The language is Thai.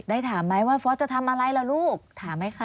ถามไหมว่าฟอสจะทำอะไรล่ะลูกถามไหมคะ